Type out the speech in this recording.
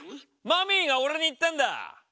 マミーが俺に言ったんだ。